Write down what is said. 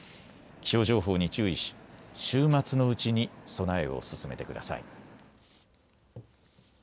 気象情報に注意し週末のうちに備えを進めてください。